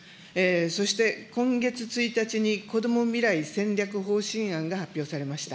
そして、今月１日に、こども未来戦略方針案が発表されました。